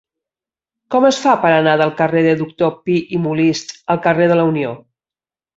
Com es fa per anar del carrer del Doctor Pi i Molist al carrer de la Unió?